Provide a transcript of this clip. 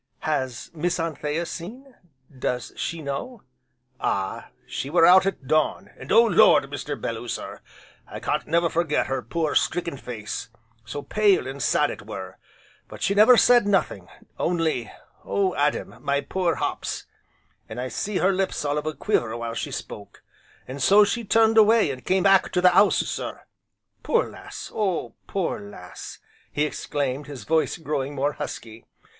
"Has Miss Anthea seen, does she know?" "Ah! she were out at dawn, and Oh Lord, Mr. Belloo sir! I can't never forget her poor, stricken face, so pale and sad it were. But she never said nothing, only: 'Oh, Adam! my poor hops!' An' I see her lips all of a quiver while she spoke. An' so she turned away, an' came back to the 'ouse, sir. Poor lass! Oh poor lass!" he exclaimed, his voice growing more husky.